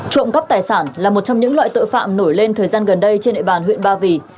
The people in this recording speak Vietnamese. trộm cắp tài sản là một trong những loại tội phạm nổi lên thời gian gần đây trên địa bàn huyện ba vì